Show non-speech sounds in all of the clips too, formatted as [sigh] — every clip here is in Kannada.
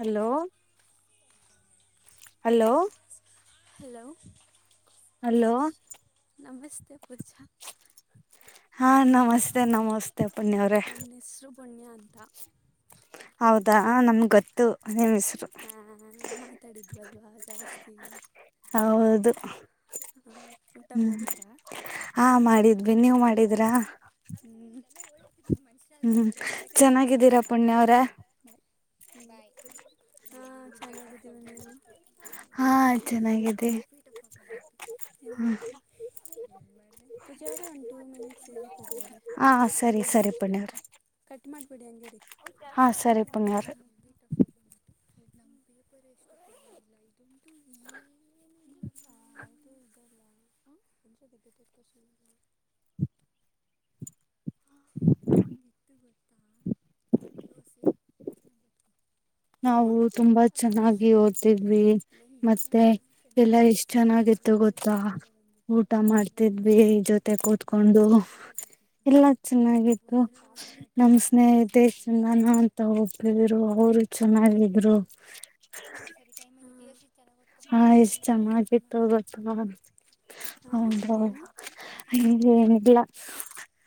Hello hello hello hello. ನಮಸ್ತೆ ಪೂಜಾ ಹಾ ನಮಸ್ತೆ ನಮಸ್ತೆ ಪುಣ್ಯ ಅವ್ರೆ. ನನ್ನ ಹೆಸರು ಪುಣ್ಯ ಅಂತ. ಹೌದಾ ನಮ್ ಗೊತ್ತು ನಿಮ್ ಹಾ ಮಾತಾಡಿದ್ವಲ್ವಾ ಜಾಸ್ತಿ. ಹಾ ಊಟ ಮಾಡಿದ್ರ. ಬಿನೀವ್ ಮಾಡಿದ್ರ. ಹ್ಮ್ ಮನುಷರಲ್ವ ಹ್ಮ್ ಎಲ್ಲಿವರ್ಗ್ ಬರಕ್ಕ ಎನ್ ನಿಂಗ್ ದೊಡ್ ಚೆನ್ನಾಗಿದ್ದೀರಾ ರೋಗ ಪುಣ್ಯ ಅವ್ರೆ ಬಾಯ್ ಬಾಯ್. ಹಾ ಚೆನ್ನಾಗಿದ್ದೀವಿ ನೀವು. ಹಾ ಚೆನ್ನಾಗಿದೆ ಎನ್ ಮಾಡ್ತಾ ಪೂಜಾ ಅವ್ರೆ ಒನ್ ಟು ಮಿನಿಟ್ ಇರಿ. ಪೂಜ ಅವ್ರೇ ಹಾ ಸರಿ ಅಲ್ಲಿ ಸರಿ ಪುಣ್ಯವ್ರೆ ಕಟ್ ಮಾಡಿಬೇಡಿ ಹಂಗೇ ಇರಿ. [inaudible] ಹಾ ಸರಿ ಪುಣ್ಯವ್ರೆ [unintelligible] [unintelligible] ನಾವು ತುಂಬಾ ಚೆನ್ನಾಗಿ ಓದ್ತಿದ್ವಿ ಲಂಚ ಮತ್ತೆ ಎಲ್ಲ ಚೆನ್ನಾಗಿ ಎಷ್ಟ್ ಎಸ್ಸಿನ ಹತ್ರ ಎಲ್ಲ ಚೆನ್ನಾಗಿತ್ತು ಫುಲ್ ಗೊತ್ತಾ ರಿಪೀಟೆಡ್ ಬಂದಿತ್ತು ಊಟ ಮಾಡ್ತಿದ್ವಿ ಜೊತೆ ಕೂತ್ಕೊಂಡು ಇಲ್ಲ. ಚೆನ್ನಾಗಿತ್ತು ನಮ್ಮ ಸ್ನೇಹಿತೆ ನಾನ ಅಂತ ಹೋಗ್ತಿದ್ರು ಅವರು. ಚೆನ್ನಾಗಿದ್ರು. ಸರಿ ಟೈಮ. [unintelligible] ಹಾ ಹಾಂ ಎಷ್ಟ ಚೆನ್ನಾಗಿತ್ತು ಗೊತ್ತ ಹಾಂ ಹೌದ. ಏನು [unintelligible] ಇಲ್ಲ.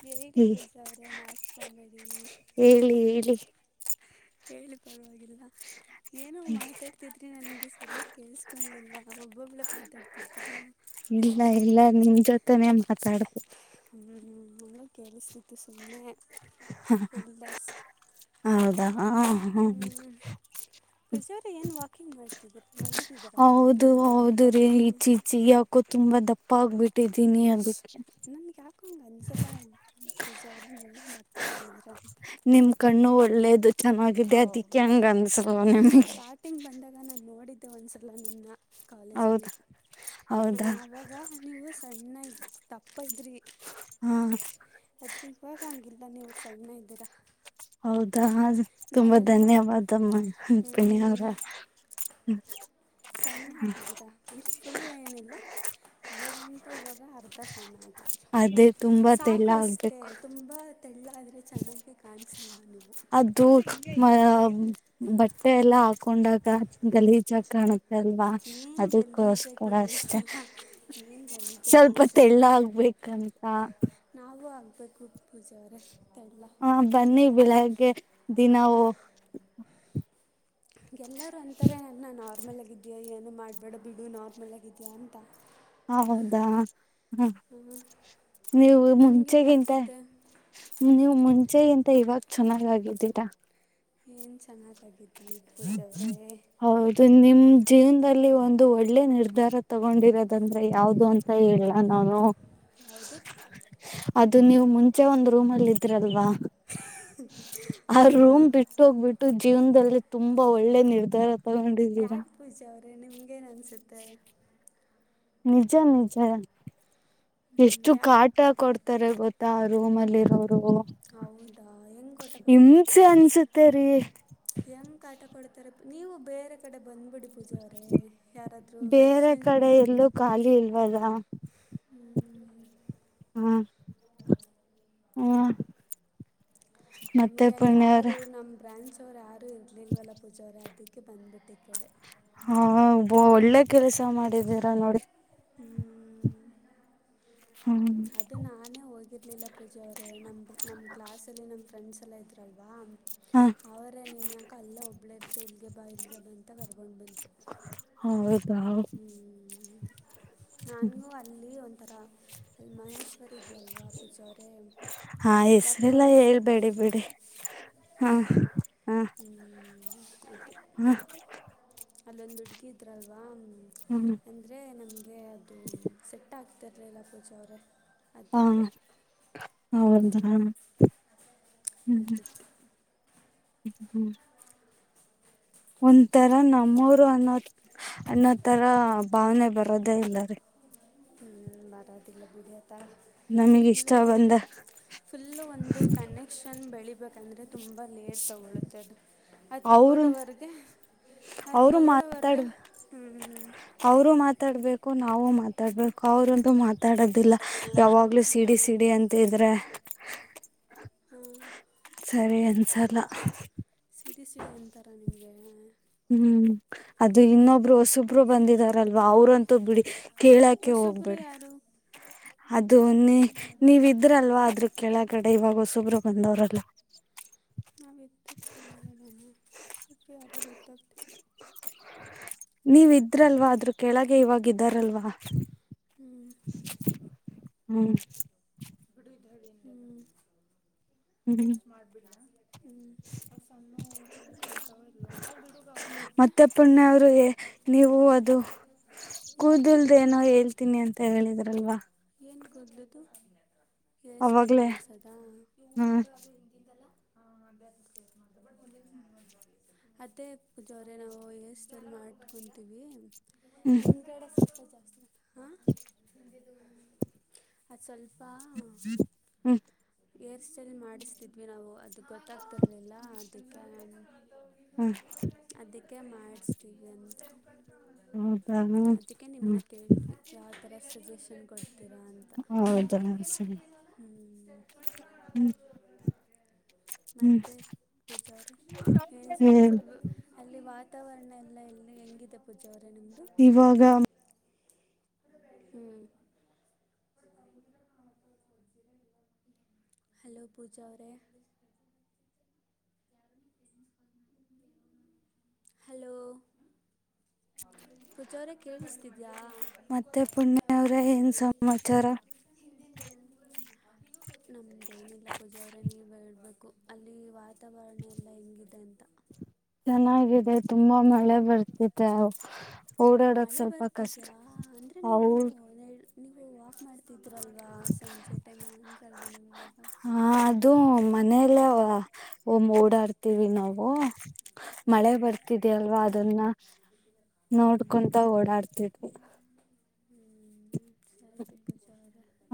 ಹೇಳಿ ಪೂಜ ಅವ್ರೆ ನಾಚ್ಕ ಬೇಡಿ. ಹೇಳಿ ಹೇಳಿ. ಹೇಳಿ ಪರವಾಗಿಲ್ಲ. ಏನೂ ಮಾತಾಡ್ತಿದ್ರಿ ನನ್ಗೆ ಸರಿಯಾಗಿ ಕೇಲ್ಸ್ಕೊಲಿಲ್ಲ ಒಬ್ಬೊಬ್ಳ ಮಾತಾಡ್ತಿದ್ರ. ಸಡಕು. ಹ್ಮ ನಮ್ ಕೇಳಸ್ತಿತ್ತು ಸುಮ್ಮನೆ. ಹ ಹೌದಾ. ಹ್ಮ ಪೂಜಾರಿ ಏನು ವಾಕಿಂಗ್ ಮಾಡ್ತಿದ್ದೀರ ನಡೀತಿದ್ದೀರಾ ಅಲ್ಲಿಂದ ಹೌದು ಬಗೆ ಹೌದು ಇಲ್ಲಿಂದ ಬ. ಕವಿ ಟ್ಟಿದ್ದೀನಿ ಅದಕ್ಕೆ ಅಕ್ಕಂಗಗೆ ಒಂದಸಲ ಪೂಜೆ ಅವ್ರೆ ನೀಗೊಂದು ಅಪ್ಪ ಆಗಿದೀರ ಅಂತ [inaudible] ನನ್ನಗಾಗಿದೆ ಓಹೋ ಅದಕ್ಕೆ ಹಂಗ್ ಅನ್ಸಲ್ವ ನಿಮ್ಗೆ ದೇ ಅನ್ಸುತ್ತೆ ನಿಮ್ಗೆ ಕಾಲೇಜಲ್ಲಿ ಹ್ ಹೌದಾ ಅವಾಗ ನೀವು [unintelligible] ದಪ್ಪಇದ್ರೀ ಹ್ಮ ಹಂಗಿಲ್ಲ ನೀವು ಸಣ್ಣ ಇದ್ದೀರಾ. ಹೌದ ಹ. ತುಂಬಾ ನಾವೆಲ್ಲ ಧನ್ಯವಾದಮ್ಮ ರುಕ್ಮಿಣಿ ಅವರೆ. ಸಣ್ಣಗಿದ್ದೀರಾ ಅಂದರೆ ಫುಲ್ ಏನಿಲ್ಲ. ಅವಾಗಿಂತ ಇವಾಗ ಅರ್ಧ ಸಣ್ಣ ಆಗಿ. ಅದೇ ತುಂಬಾ ತೆಳ್ಳ ಸಾಕು ಇಷ್ಟೇ ಆಗ್ಬೇಕು ತುಂಬಾ ತೆಳ್ಳಗ ಆದರೆ. ಚೆನ್ನಾಗಿ ಕಾಣಿಸಲ್ಲ ನೀವು. ಅದು ಮ ಬಟ್ಟೆ ಎಲ್ಲಾ ಹಾಕೊಂಡಾಗ ಗಲೀಜು ಆಗಿ ಕಾಣುತ್ತದೆ. ಅಲ್ವಾ ಏನು ಅದಕ್ಕೋಸ್ಕರ ಗಲೀಜಾಗಿಲ್ಲ ಅಷ್ಟೆ ಏನು ಸ್ವಲ್ಪ ಗಲೀಜಾಗಿಲ್ಲ ಪ್ರಜಾ ತೆಳ್ಳಗ ಆಗಬೇಕು ಅಂತ. ಪ [unintelligible] ಬ ಸರಿ. ಹಾ ಬನ್ನಿ ಬೆಳಿಗ್ಗೆ ದಿನಾವು. ಎಲ್ಲರೂ ಅಂತಾರೆ ನನ್ನ ನಾರ್ಮಲ್ ಆಗಿದೀಯಾ ಏನ ಮಾಡಬೇಡ ಬಿಡು ನಾರ್ಮಲ್ ಆಗಿದೀಯಾ ಅಂತ ಆ ಹೌದಾ. ಹಾ ನೀವು ನಿಮ್ಗೆ ಹೆಂಗೆ ಮುಂಚೆಗಿಂತ ಅನಿಸುತ್ತೆ ನೀವು ಮುಂಚೆಗಿಂತ ಇವಾಗ ಚೆನ್ನಾಗಾಗಿದ್ದೀರಾ. ಏನ್ ಚೆನ್ನಾಗಾಗಿದೆ. ಹೌದು ನಿಮ್ ಜೀವನದಲ್ಲಿ. ಇಲ್ಲಿ ಒಂದು ಒಳ್ಳೆ ನಿರ್ಧಾರ ತಗೊಂಡಿರೋದಂದ್ರೆ ಯಾವ್ದ ಅಂತ ಹೇಳಲ್ಲ ನಾನು ಯಾವುದು ಅದು ನೀವು ಮುಂಚೆ ಒಂದು್ ರೂಮ್ ಅಲ್ಲಿ ಇದ್ರಲ್ವಾ ಆ ರೂಮ್ ಬಿಟ್ಟು ಹೋಗ್ಬಿಟ್ಟು ಜೀವನ್ದಲ್ಲಿ ತುಂಬಾ ಒಳ್ಳೆ ನಿರ್ಧಾರ ಯಾಕೆ ಪೂಜೆ ಅವರು. ನಿಮ್ಗೇನ್ ಅನ್ಸುತ್ತೆ ನಿಜ ನಿಜ. ಎಷ್ಟು ಯಾ ಕಾಟ ಕೊಡುತಿ. ತರ ಗೊತ್ತಾ ಆ ರೂಮ್ ಅಲ್ಲಿ ಇರೋ ಹೌದಾ ಹೆಂಗ್ ೋಟ ಕೊಡ್ತಾರೆ ಹಿಂಸೆ ಪೂಜಾ ಅನ್ಸುತ್ತೆ ರೀ ಹೆಂಗ್ ಆಟ ಕೊಡ್ತಾರೆ ನೀವು ಬೇರೆ ಕಡೆ ಬಂದ್ಬಿಡಿ ಪೂಜ ಅವರೇ ಯಾರಾದರೂ ಬೇರೆ ಎಕ್ಸ್ಚೇಂಜ್ ಕಡೆ ಮಾಡ್ಕೊಳ್ಳಿ ಎಲ್ಲೂ ಖಾಲಿ ಇಲ್ವಲ್ಲ ಹ ಹ ಮತ್ತೆ ನಮಗೆ ಅಲ್ಲಿ ಪುಣ್ಯ ಯಾರು ಅವ್ರೆ ನಮ ಬ್ರಾಂಚ್ ಲೀಲ್ ವಲಾ ಪೂಜಾವರ ಆದಿ ಕ ಬಂದಬಿಟ್ಟ ಕಡೆ ಹಾ ಒಳ್ಳೆ ಕೆಲಸ ಮಾಡಿದೀರಾ ನೋಡಿ ಹ್ಮ. ಹ್ಮ್ ಅದು ನಾನೇ ಹೋಗಿರ್ಲಿಲ್ಲ ಪೂಜೆ ಅವ್ರೇ ನಮ್ಮ ನಮ್ಮ ಕ್ಲಾಸಲ್ಲಿ ನಮ್ಮ ಫ್ರೆಂಡ್ಸ್ ಎಲ್ಲ ಇದ್ರಲ್ವ ಹ ಅವರನನ್ಾ ಕಲ್ಲ ಒಬ್ಬಳ ತೆಲ್ಗೆ ಬಾಯ್ಲ್ಗೆ ಬಂತ ವರ್ಗೊಂಡು ಬಂದರು ಹೌದಾ ಹ್ಮ್ ನಾನಗೂ ಅಲ್ಲಿ ಒ ಅರ. ಅಲ್ಲಿ ಮಹೇಶ್ವರ ಇದ್ಲಲ್ವಾ ಪೂಜ ಅವರೇ ಹಾ ಯಾಕೋ ಹೆಸ್ರೆಲ್ಲ ಸೆಟ್ ಹೇಳ್ಬೇಡಿ ಬಿಡಿ ಹಾ ಹಾ ಇದು. ಹಾ [inaudible] ಅಲ್ಲೊಂದು ಹುಡ್ಗಿ ಇದ್ರಲ್ವಾ ಹ್ಮ್ ಅಂದರೆ ನಮಗೆ ಅದು ಸೆಟ್ ಆಕ್ ಟ್ಲಲ್ಲ ಪೂಜ ಅವ್ರ ಹಾ ಹೌದ ಹ್ಮ್ ಅದಕ್ಕೆ ಹ್ಮ್. ಒಂಥರಾ ನಮ್ಮೂರು ಅನ್ನ ಅನ್ನೋ ತರ ಭಾವನೆ ಬರೋದೇ ಇಲ್ಲಾರೀ ಹ್ಮ್ ಬರೋದಿಲ್ಲ ಬಿಡು. ನಮಗೆ ಇಷ್ಟ ಫುಲ್ಲೂ ಬಂದ ಫುಲ್ಲು ಒಂದು ಕನೆಕ್ಷನ್ ಬೇ [unintelligible] ಇವಾಗಅಂದ್ರೆ ತುಂಬಾ ಲೇಟ್ ತಗೊಳ್ಳುತ್ತೆದು ಅದು ಅವರು ತಗೊಳ್ಳುವರೆಗೆ ಅದು ಅವರು ತಗೊಳ್ಳುವರೆಗೆ ಮಾತಾಡ್ ಉಮ್. ಕು ನಾವು ಮಾತಾಡ್ಬೇಕು ಅವ್ರೊಂದು ಮಾತ ಮಾತಾಡೋದಿಲ್ಲ ಯಾವಾಗ್ಲೂ ಸಿಡಿ ಸಿಡಿ ಅಂತಿದ್ರೆ ಹ್ಮ್. ಸರಿ ಅನಿಸಲ್ಲ. ಪಿ ಸಿ ಅಂತರ ನಿಮಗೆ ಹ್ಮ್ ಅದು ಇನ್ನೊಬ್ಬರು ಹೊಸಬರು ಬಂದಿದಾರಲ್ವಾ ಅವರಂತ. ತು ಬಿಡಿ ಕೇಳಕೆ ಹೊಸಬ್ರು ಯಾರು ಹೋಗ್ಬೇಡಿ--ಅದು ನೀ ಹೆಂಗೆ ನೀವ ಮಾಡಲಿ ಇದ್ರಲ್ವಾ ಅದ್ರ ಕೇಳಗಡೆ ಇವಾಗ ಹೊಸುಬರು ಬಂದವ್ರೆಲ್ಲ. ನಾವು ಎದ್ದು [unintelligible] ಸುಪ್ಪಿಯಾರ ಗೊತ್ತಾಗ್ತಿಲ್ಲ. ನೀವ್ ಇದ್ರಲ್ವಾ ಅದ್ರ ಕೆಳಗೆ ಇವಾಗ ಇದ್ದಾರಲ್ವ ಹ್ಮ್ ಹ್ಮ ಹ್ಮ್ ಹ್ಮ್ ಬೆಷ್ಟ್ ಮಾಡ್ಬಿಡ್ಲ. ಕಾಣ್ತಾವ ಇಲ್ಲ ಅವು ಬಿಡುಗ ಅವು ಮತ್ತು ಮತ್ತೆ ಪುಣ್ಯ ಅವರು ನೀವು ಅದು ಯಾವುದು ಕೂದಲ್ದೇಏನೋ ಹೇಳ್ತೀನಿ ಅಂತ ಹೇಳಿದ್ರಲ್ವಾ- ಏನ್ ಕೂದಲುದು. ಹೇರ್ ಸ್ಟೈಲ್ ಅವಾಗ್ಲೇ ಮಾಡ್ಸದ ಹಾ ಅದೇ ಪೂಜೋರೆ ನಾವು ಹೇರ್ ಸ್ಟೈಲ್ ಮಾಡಕೊಂತೀವಿ. ಹ್ಮ್ ಹಿಂದ್ಗಡೆ ಸ್ವಲ್ಪ ಜಾಸ್ತಿ ಹಾ- ಆ ಸ್ವಲ್ಪ ಹ್ಮ್ ಹಏರ್ ಸ್ಟೈಲ್ ಮಾಡಿಸ್ತಿದ್ವಿ ನಾವು ಅದು ಗೊತ್ತಾಗ್ತಿರ್ಲಿಲ್ಲ ಅದಕ್ಕೆ. ಹ್ಮ ಓಕೆ ಮಾಡುಸ್ತಿದ್ವಂತೆ. ಹೌದಾ ಹ್ಮ್ ಅದಕ್ಕೆ ನಿಮ್ಮನ್ನ ಕೇಳಿದ ಯಾವದರ ಸಜೆಷನ್ ಕೊಡ್ತೀರಾ ಅಂತ ಹೌದ ಸರಿ. ಹ್ಮ್ ಹ್ಮ್ ಮತ್ತೆ ಪೂಜಾ ಅವರೆ ಏನು ಹ್ಮ್ ಸಮಾಚಾರ. ವಾತಾವರಣ ಎಲ್ಲ ಎಲ್ಲಿ ಹೆಂಗಿದೆ ಪೂಜಾ ಅವರೇ ನಿಮ್ಮದು ಇವಾಗ. ಹ್ಞೂ ಹಲೋ ಪೂಜಾ ಅವರೇ ಹಲೋ ಪೂಜಾವರೆ ಕೇಳಿಸ್ತಿದ್ಯಾ. ಮತ್ತೆ ಪುಣ್ಯ ಅವ್ರೆ ಏನ್ ಸಮಾಚಾರ ನಮ್ದೇನಿಲ್ಲ ಪೂಜೆ ಅವರೇ ನೀವ ಹೇಳ್ಬೇಕು ಅಲ್ಲಿ ವಾತಾವರಣ ಎಲ್ಲ ಹೆಂಗಿದೆ ಅಂತ. ಚೆನ್ನಾಗಿದೆ ತುಂಬಾ ಮಳೆ ಬರ್ತಿದೆ ಅವ ಮಳೆ ಬರ್ತಿದ್ಯಾ ಅಂದ್ರೆ ನೀವು ಹೌದ ನೀವು ವಾಕ್ ಮಾಡ್ ಕುತ್ತಿದ್ರವ ಸಂಜೆ ಟೈಮ್ ಅಂದಲ್ವಾ ನೀವು ಇವಾಗ ಓ ಮ್ ಓಡಾಡ್ತೀವಿ ನಾವು. ಹ್ಞೂ ಮಳೆ ಬರ್ತಿದೆ ಅಲ್ವಾ ಅದನ್ನ [inaudible] ಹ್ಞೂ ನೋಡ್ಕೊಂತ ಓಡಾಡ್ತಿದ್ವಿ.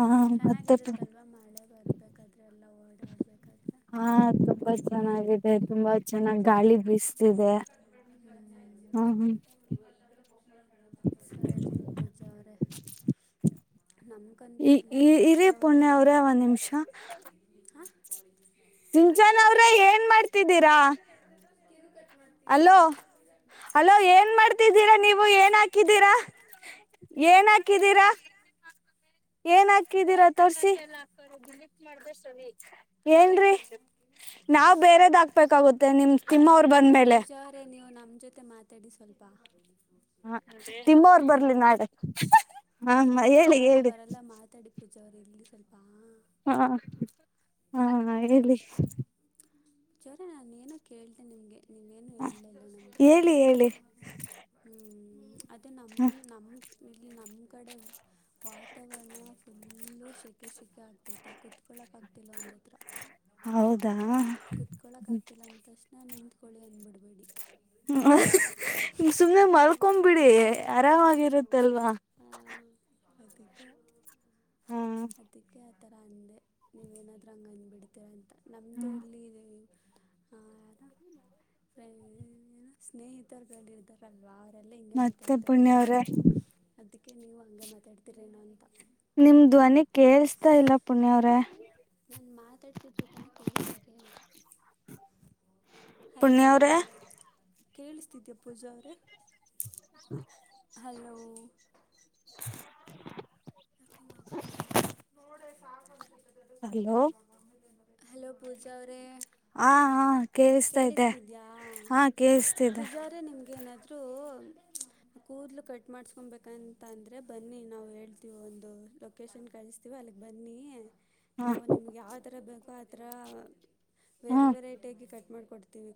ಆ ಮತ್ತೆ ಚೆನ್ನಾಗಿರುತ್ತೆ ಅಲ್ವಾ ಮಳೆ ಬರ್ಬೇಕಾದ್ರೆ ಎಲ್ಲ ಓಡಾಡ್ ಬೇಕಾದ್ರೆ ಚೆನ್ನಾಗಿದೆರ್ ತುಂಬಾ ಚೆನ್ನಾಗ್ ಗಾಳಿ ಬೀಸ್ತಿದೆ. ಹ್ಮ ಹ್ಮ್ ಹ್ಮ್ ಸರಿ ಪೂಜ ಅವ್ರೆ ನಮ್ಗಂತೂ ಈ ಇಲ್ಲಿ ಈ ಇರಿ ವಾತಾವರಣ ಪುಣ್ಯ ಅವ್ರೇ ಒಂದ್ ನಿಮಿಷ ಹ ಸಿಂಚನ್ ಅವ್ರೆ ಏನ್ ಮಾಡ್ತಿದ್ದೀರ. ಅಲೋ ಅಲೋ ಏನ್ ಮಾಡ್ತಿದ್ದೀರಾ ನೀವು ಏನ್ ಹಾಕಿದ್ದೀರಾ ಏನ್ ಹಾಕಿದ್ದೀರಾ, ಏನ್ ಹಾಕಿದೀರಾ ತೋರ್ಸಿ ಏನ್ರೀ ನಾವ್ ಬೇರೆದ್ ಹಾಕ್ಬೇಕಾಗುತ್ತೆ ನಿಮ್ ತಿನ್ನೋ ಪೂಜ ಅವ್ರೆ ನೀವ್ ನಮ್ ಜೊ ತೆ ಮಾತಾಡಿ ಸ್ವಲ್ಪ. ಹಾ ತಿಮ್ಮ ಅವ್ರ್ ಬರ್ಲಿ ನಾಳೆ ಹ್ ಹ್ ತಿಮ್ಮ ಅವ್ರ್ ಯಾರು ಬರಲ್ಲ ಮಾತಾಡಿ. ಪೂಜ ಅವ್ರೆ ಇಲ್ಲಿ ಸ್ವಲ್ಪಾ ಹಾ ಹಾ ಹ ಹೇಳಿ. ಜ ಅವ್ರೆ ನಾನು ಏನೋ ಕೇಳ್ತೆ ನಿಮ್ಗೆ. ಹಾ ಹೇಳಿ ಹೇಳಿ. ತ್ತೆ ನಮ್ ಹ ನಮ್ ಇಲ್ಲಿ ನಮ್ ಕಡೆ ವಾತಾವರಣ ಫುಲ್ಲು ಶೆಕೆ ಶೆಕೆ ಆಗ್ತೈತೆ ಕುತ್ಕೊಳ್ಳಕ ಆಗ್ತಿಲ್ಲ ಒಂದು ಹೌದ್ ಕೂತ್ಕೊಳ್ಳಕ್ಕೆ ಆಗ್ತಿಲ್ಲ ಅಂದ ತಕ್ಷಣ ನಿಮ್ಮದು ಹ್ಮಮ ಸುಮ್ಮ್ನೆ ನೀನೇ ಮಲ್ಕೊ ಮಾತಾಡು ಬಿಡಿ ನೀನೇ ಜೋಕ್ ಮಾಡು ನೀನೇ ನಗು ಆರಾಮಾಗಿರುತ್ತಲ್ವಾ. ಹಾಂ ಅದಕ್ಕೆ. ಹಾ ಅದಿಕ್ಕೆ. ಆಥರ ಅಂದೆ ನೀವೇನಾದ್ರು ಹಂಗ್ ಅಂದ್ಬಿಡ್ತೀರಾ ಅಂತ. ನಮ್ಮದು ಇಲ್ಲಿ ಇದೆ ಹ ಯಾರ ಸ್ನೇಹಿತರು ಇದ್ದಾರಲ್ವ. ಎಲ್ಲಾ ಹಿಂಗ ಮತ್ತೆ ಮಾತಾಡ್ತಾರೆ ಪುಣ್ಯ ನನ್ಗೆ ಅವ್ರೆ ಅದಕ್ಕೆ ಕೆ ನೀವು ಹಂಗೆ ಮಾತಾಡ್ತೀರೇನೋ ಅಂತ. ನಿಮ್ ಧ್ವನಿ ಕೇೇಳಸ್ತಾ ಇಲ್ಲ ಪುಣ್ಯಅವ್ರೆ. ನಾನ್ ಮಾತಾಡ್ತಿದ್ರೆ ತಾನೇ ಕೇಳಸಕ್ಕೆೆ. ಪುಣ್ಯ ಅವ್ರೇ. ಕೇಳುತ್ತಿದ್ದೀಯಾ ಪೂಜ ಅವ್ರೇ. [inaudible] ಹಲೋ. [inaudible] ಯಾಕ ಹಿಂಗ ಆಗುತ್ತೆ. [inaudible] ಹಲೋ ಹಲೋ ಪೂಜ ಪೂಜ ಅವ್ರೇ ಹಾ ಹಾ ಕೇಳಿಸ್ತಾ ಇದೆ ಕೇಳಿಸ್ತಿದ್ಯಾ? ಹಾ ಕೇೇಳಸ್ತಿದೆ ಪೂಜ ಅವ್ರೇ ನಿಮ್ಗೆ ಏನ ಆದೂ ಕೂದಲು ಕಟ್ ಮಾಡಸ್ಕೊಬೇಕಂತ ಅಂದ್ರೆ ಬನ್ನಿ ನಾವು ಹೇಳ್ತೀವಿ ಒಂದ್. ದು ಲೊಕೇಶನ್ ಕಳಿಸ್ತೀವ ಅಲ್ಲಿಗೆ ಬನ್ನಿ. ಹ ನಾವು ನಿಮ್ಗೆ ಯಾವ ತರ ಬೇಕೋ ಅತ್ರ ಹ್ಮ ವೇರ್ ವೆರೈಟಿ ಆಗಿ ಕಟ್ ಮಾಡ್ ಕೊಡ್ತಿವಿ.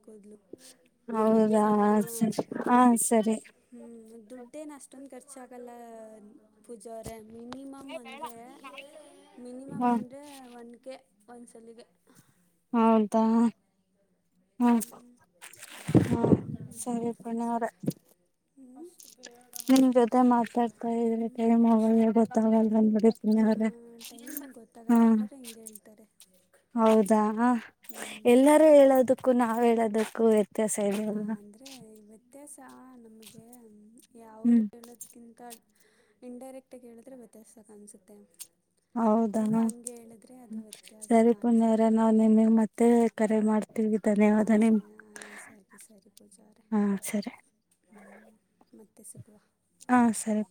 ಹೌದಾ, ಹಾ ಸರಿ ದುಡ್ಡೇ ನಾಷ್ಟೊಂದು ಖರ್ಚಾಗಲ್ಲ, ಪೂಜ ಅವರೇ ಮಿನಿಮಮ್ ಅಂದರೆ, ಮಿನಿಮಮ್ ಹ ಅಂದರೆ ಒನ್ ಕೆ. ಒಂದ್ಸಲಿಗೆ. ಹೌದಾ, ಹ್ಮ ಹ ಹ್ಞೂ ಸರಿ ಪುಣ್ಯ ಅವರೇ. ಅಷ್ಟು ಬೇಡ ನಿಮ ಸ್ಟೆಪ್ ಜೊತೆ ಹೋಗುತ್ತೆ ಮಾತಾಡ್ತಾ ಇದ್ರೆ ಟೈಮ್ ಆಗೋದೇ ಗೊತಾಗಲ್ಲ ಪುಣ್ಯಾ ಅವರೇ ಟೈಮು ಗೊತ್ತಾಗಲ್ಲ ಎಲ್ಲರೂ ಹಿಂಗೆ ಹೇಳ್ತಾರೆ ಹೌದಾ ಎಲ್ಲರೂ ಹೇಳೋದಕ್ಕೂ ನಾವ್ ಹೇಳದಕ್ಕೂ ತ್ತ ಸಿಡಿಗ್ ಅಂದರೆ [unintelligible] ವ್ಯತ್ಯಾಸ ನಮಗೆ ಯಾವ್ರು ಹೇಳೋದ್ಕಿಂತ ಇನ್ಡೈರೆಕ್ಟಾಗಿ ಹೇಳಿದ್ರೆ ವ್ಯತ್ಯಾಸಕಾಣ್ಸುತ್ತೆ. ಹೌದಣ ವ್ಯತ್ಯಾಸ ಸರಿ ಕಾಣಿಸಲ್ಲ ಪುಣ್ಯವ್ರೆ ನಾವ್ ನಿಮಿಗ್ ಮತ್ತೆ ಕರೆ ಮಾಡ್ತವಿ. ಹಾ ಸರಿ ಹಾ ಸರಿ ಸರಿ ಪೂಜ ಅವ್ರೆ. ಹಾ ಸರಿ ಮತ್ತೆ ಸಿಗುವ. ಹಾ ಸರಿ.